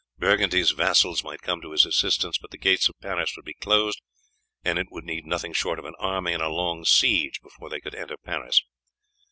Burgundy's vassals might come to his assistance, but the gates of Paris would be closed, and it would need nothing short of an army and a long siege before they could enter Paris.